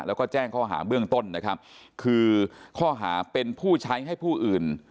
แล้วก็แจ้งข้อหาเบื้องต้นนะครับคือข้อหาเป็นผู้ใช้ให้ผู้อื่น